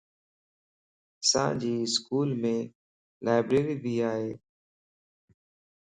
اسان جي اسڪولم لائبريري ڀي ائي